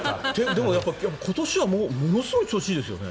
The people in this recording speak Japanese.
でも、今年はものすごい調子がいいですよね。